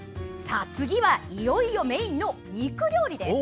次はいよいよメインの肉料理です。